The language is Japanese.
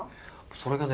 それがね